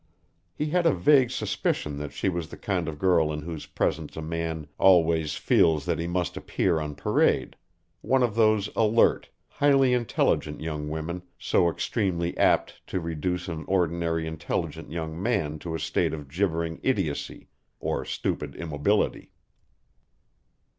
He had a vague suspicion that she was the kind of girl in whose presence a man always feels that he must appear on parade one of those alert, highly intelligent young women so extremely apt to reduce an ordinarily intelligent young man to a state of gibbering idiocy or stupid immobility.